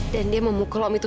dan dia memukul om itu